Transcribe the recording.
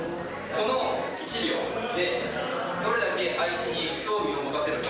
この１秒で、どれだけ相手に興味を持たせるか。